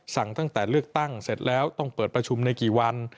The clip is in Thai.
ตั้งแต่เลือกตั้งเสร็จแล้วต้องเปิดประชุมในกี่วัน